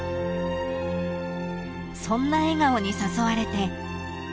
［そんな笑顔に誘われて］